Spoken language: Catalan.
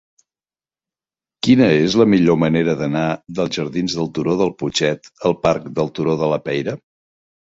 Quina és la millor manera d'anar dels jardins del Turó del Putxet al parc del Turó de la Peira?